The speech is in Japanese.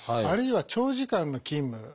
あるいは長時間の勤務。